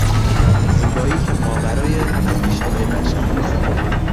زیبایی که ماورای اندیشههای بشر است